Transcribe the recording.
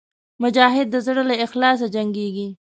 مجاهد د زړه له اخلاصه جنګېږي.